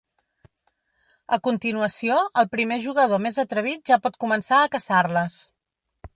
A continuació, el primer jugador més atrevit ja pot començar a caçar-les.